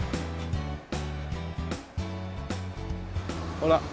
ほら。